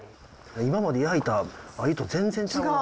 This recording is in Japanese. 今まで焼いたアユと全然違う。